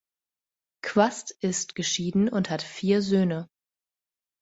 Quast ist geschieden und hat vier Söhne.